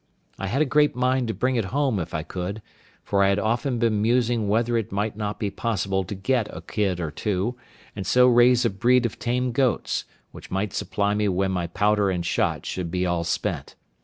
I had a great mind to bring it home if I could, for I had often been musing whether it might not be possible to get a kid or two, and so raise a breed of tame goats, which might supply me when my powder and shot should be all spent.